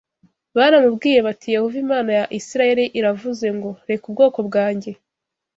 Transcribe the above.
Baramubwiye bati Yehova Imana ya Isirayeli iravuze ngo reka ubwoko bwanjye